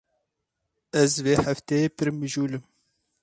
Ez vê hefteyê pir mijûl im.